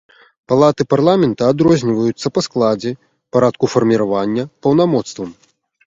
Палаты парламента адрозніваюцца па складзе, парадку фарміравання, паўнамоцтвам.